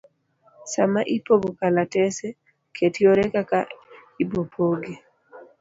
Sama ipogo kalatese, ket yore kaka ibopoggi.